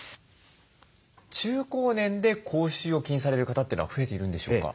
中高年で口臭を気にされる方というのは増えているんでしょうか？